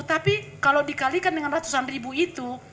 tapi kalau dikalikan dengan ratusan ribu itu